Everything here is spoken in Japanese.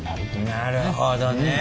なるほどね。